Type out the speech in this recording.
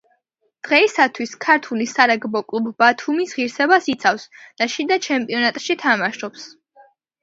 დღეისათვის ქართული სარაგბო კლუბ „ბათუმის“ ღირსებას იცავს და შიდა ჩემპიონატში თამაშობს.